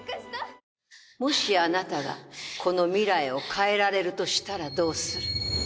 もしあなたがこの未来を変えられるとしたらどうする？